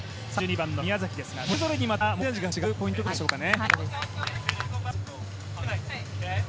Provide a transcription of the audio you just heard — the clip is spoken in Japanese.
さらには、３２番の宮崎ですがそれぞれにまた持ち味が違うポイントガードでしょうかね。